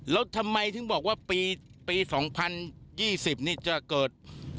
แล้วทำไมถึงบอกว่าปี๒๐๒๐นี่จะเกิด